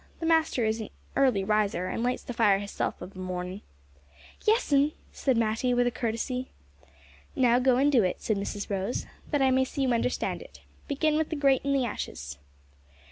The master is a early riser, and lights the fire his self of a mornin'." "Yes, 'm," said Matty, with a courtesy. "Now, go and do it," said Mrs Rose, "that I may see you understand it. Begin with the grate an' the ashes."